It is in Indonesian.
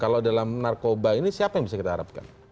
kalau dalam narkoba ini siapa yang bisa kita harapkan